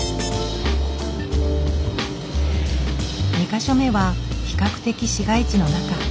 ２か所目は比較的市街地の中。